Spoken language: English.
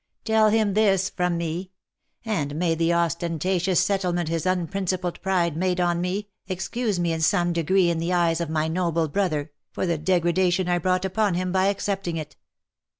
Tell him this from me !— and may the ostentatious settlement his unprincipled pride made on me, OF MICHAEL ARMSTRONG. 353 excuse me in some degree in the eyes of my noble brother, for the degradation I brought upon him by accepting it!"